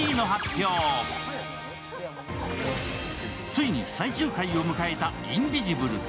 ついに最終回を迎えた「インビジブル」。